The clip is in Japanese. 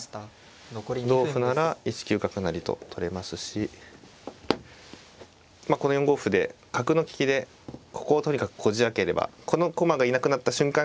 同歩なら１九角成と取れますしこの４五歩で角の利きでここをとにかくこじあければこの駒がいなくなった瞬間